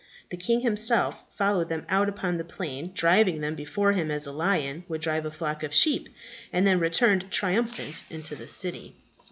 The king followed them out upon the plain, driving them before him as a lion would drive a flock of sheep, and then returned triumphant into the city.